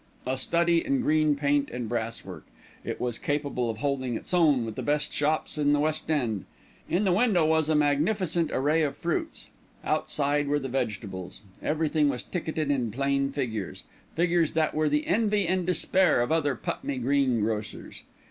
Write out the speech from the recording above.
A study in green paint and brass work, it was capable of holding its own with the best shops in the West End. In the window was a magnificent array of fruits. Outside were the vegetables. Everything was ticketed in plain figures, figures that were the envy and despair of other Putney greengrocers.